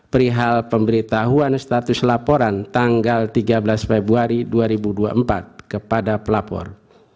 perihal pemberitahuan status laporan tanggal tiga belas februari dua ribu dua puluh empat kepada pelapor